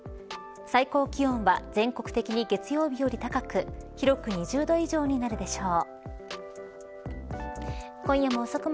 最高気温は全国的に月曜日より高く広く２０度以上になるでしょう。